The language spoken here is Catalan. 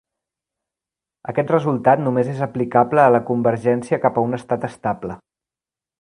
Aquest resultat només és aplicable a la convergència cap a un estat estable.